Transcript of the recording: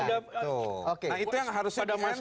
nah itu yang harusnya di endorse oleh negara